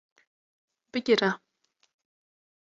Bigire